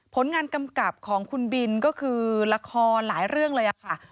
ผลงานกำกับของคุณบินก็คือละครหลายเรื่องเลยค่ะ